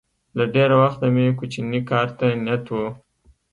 له ډېره وخته مې کوچني کار ته نیت و